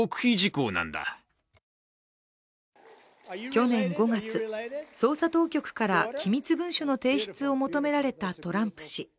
去年５月、捜査当局から機密文書の提出を求められたトランプ氏。